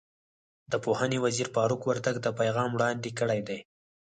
د پوهنې وزیر فاروق وردګ دا پیغام وړاندې کړی دی.